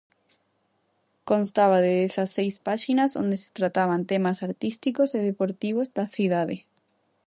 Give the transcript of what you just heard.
Constaba de dezaseis páxinas onde se trataban temas artísticos e deportivos da cidade.